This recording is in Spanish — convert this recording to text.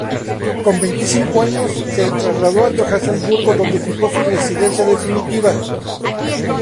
Con veinticinco años se trasladó a Johannesburgo, donde fijó su residencia definitiva.